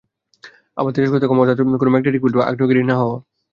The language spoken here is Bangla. আবার তেজষ্ক্রিয়তা কম অর্থাৎ কোনো ম্যাগনেটিক ফিল্ড বা আগ্নেয়াগিরিই না হওয়া।